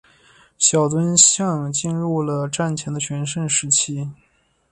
小樽港进入了战前的全盛时期。